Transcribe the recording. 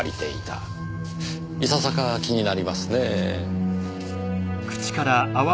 いささか気になりますねえ。